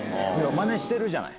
マネしてるじゃない。